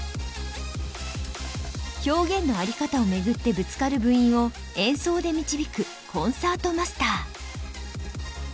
表現のあり方を巡ってぶつかる部員を演奏で導くコンサートマスター。